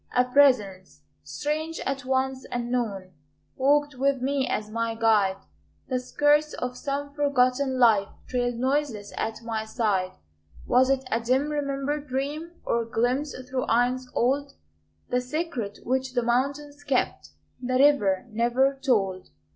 A presence, strange at once and known, Walked with me as my guide; The skirts of some forgotten life Trailed noiseless at my side. Was it a dim remembered dream? Or glimpse through aeons old? The secret which the mountains kept The river never told.